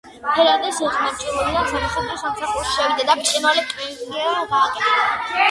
ფერანტე სიყმაწვილიდანვე სამხედრო სამსახურში შევიდა და ბრწყინვალე კარიერა გააკეთა.